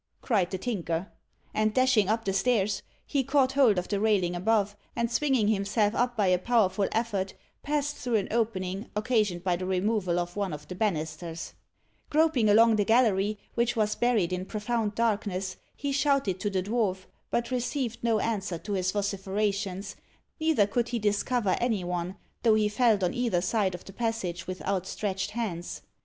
cried the Tinker. And, dashing up the stairs, he caught hold of the railing above, and swinging himself up by a powerful effort, passed through an opening, occasioned by the removal of one of the banisters. [Illustration: The Hand and the Cloak.] Groping along the gallery, which was buried in profound darkness, he shouted to the dwarf, but received no answer to his vociferations; neither could he discover any one, though he felt on either side of the passage with outstretched hands.